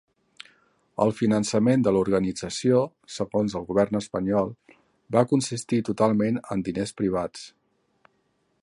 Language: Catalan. El finançament de l'organització, segons el Govern Espanyol, va consistir totalment en diners privats.